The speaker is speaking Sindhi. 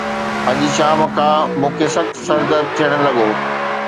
اڄ شام کان مون کي سخت سر درد ٿيڻ لڳو